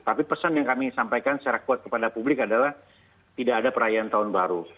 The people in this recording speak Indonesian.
tapi pesan yang kami sampaikan secara kuat kepada publik adalah tidak ada perayaan tahun baru